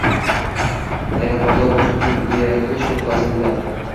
Laganbardor boshliqning erish nuqtasini biladi.